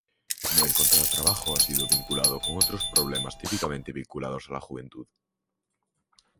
No encontrar trabajo ha sido vinculado con otros problemas típicamente vinculados a la juventud.